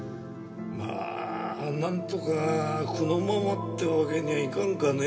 まあなんとかこのままってわけにはいかんかね。